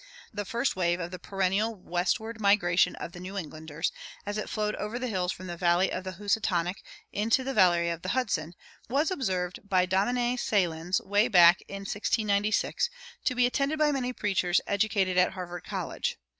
The first wave of the perennial westward migration of the New Englanders, as it flowed over the hills from the valley of the Housatonic into the valley of the Hudson, was observed by Domine Selyns, away back in 1696, to be attended by many preachers educated at Harvard College.